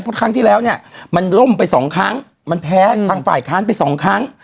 เพราะครั้งที่แล้วเนี่ยมันล่มไปสองครั้งมันแพ้ทางฝ่ายค้านไปสองครั้ง